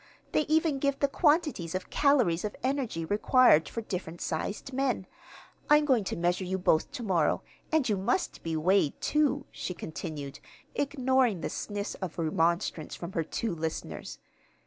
They even give the quantities of calories of energy required for different sized men. I'm going to measure you both to morrow; and you must be weighed, too," she continued, ignoring the sniffs of remonstrance from her two listeners.